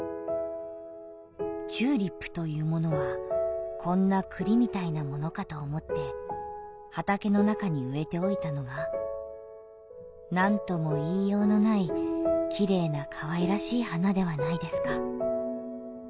「チューリップというものはこんな栗みたいなものかと思って畑の中に植えておいたのがなんとも言いようのない綺麗な可愛らしい花ではないですか」。